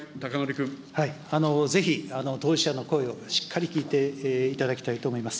ぜひ当事者の声をしっかり聞いていただきたいと思います。